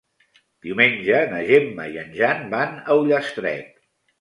Diumenge na Gemma i en Jan van a Ullastret.